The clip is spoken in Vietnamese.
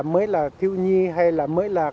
mới là thiêu nhi hay là mới là